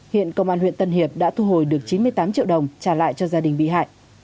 hiện công an huyện tân hiệp đã thu hồi được chín mươi tám triệu đồng trả lại cho gia đình bị hại